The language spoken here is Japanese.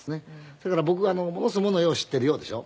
そやから僕ものすごいものよう知っているようでしょ。